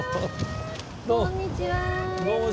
どうも。